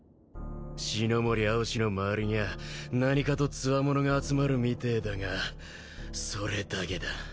四乃森蒼紫の周りにゃ何かとつわものが集まるみてえだがそれだけだ。